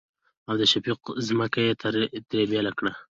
او د شفيق ځمکه يې ترې بيله کړه.